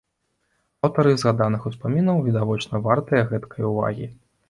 Аўтары згаданых успамінаў відавочна вартыя гэткай увагі.